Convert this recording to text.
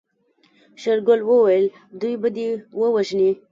شېرګل وويل دوی به دې ووژني.